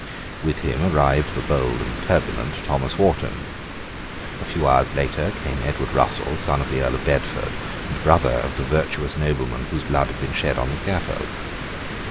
With him arrived the bold and turbulent Thomas Wharton. A few hours later came Edward Russell, son of the Earl of Bedford, and brother of the virtuous nobleman whose blood had been shed on the scaffold.